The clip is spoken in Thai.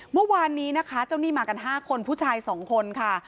เมื่อวานนี้นะคะเจ้าหนี้มากัน๕คนผู้ชาย๒คนค่ะ